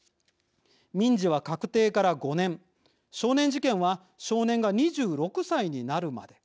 民事は確定から５年少年事件は少年が２６歳になるまで。